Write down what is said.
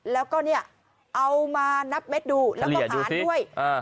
แล้วก็เนี่ยเอามานับเม็ดดูแล้วก็หารด้วย